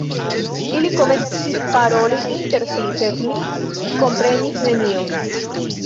Ili komencis paroli inter si, sed mi komprenis nenion.